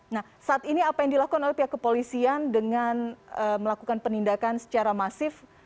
nah saat ini apa yang dilakukan oleh pihak kepolisian dengan melakukan penindakan secara masif